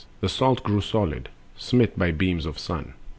The salt grew solid, smit by beams of sun.